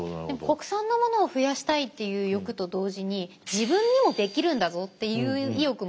国産のものを増やしたいっていう欲と同時に自分にもできるんだぞっていう意欲もありそうですよね。